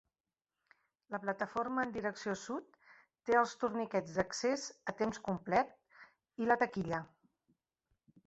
La plataforma en direcció sud té els torniquets d'accés a temps complet i la taquilla.